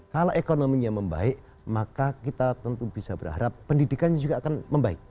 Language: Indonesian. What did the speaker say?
kalau ekonominya membaik maka kita tentu bisa berharap pendidikannya juga akan membaik